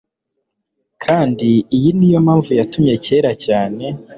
Kandi iyi niyo mpamvu yatumye kera cyane